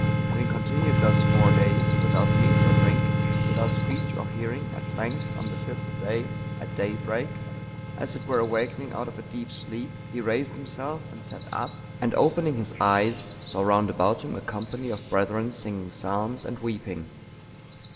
Having continued thus four days, without meat or drink, without speech or hearing, at length, on the fifth day, at daybreak, as it were awakening out of a deep sleep, he raised himself and sat up, and opening his eyes, saw round about him a company of brethren singing psalms and weeping.